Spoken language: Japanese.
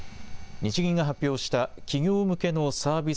日銀が発表した企業向けのサービス